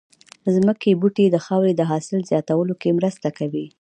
ځمکې بوټي د خاورې د حاصل زياتولو کې مرسته کوي